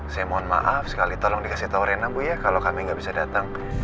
saya mohon maaf sekali tolong dikasih tau rena bu ya kalau kami nggak bisa datang